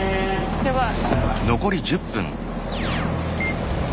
やばい。